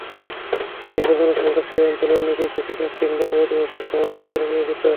স্বল্প জনসংখ্যার সেই অঞ্চলে অনেকেই কৃষিকাজ কিংবা গবাদিপশুর খামার পরিচালনায় নিয়োজিত।